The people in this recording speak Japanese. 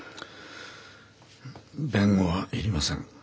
弁護はいりません。